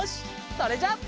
それじゃあ。